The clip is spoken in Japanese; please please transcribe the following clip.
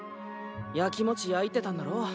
やきもち焼いてたんだろ？